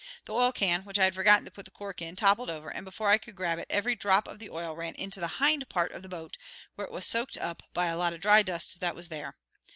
The oil can, which I had forgotten to put the cork in, toppled over, and before I could grab it every drop of the oil ran into the hind part of the boat, where it was soaked up by a lot of dry dust that was there.